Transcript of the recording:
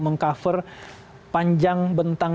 meng cover panjang bentang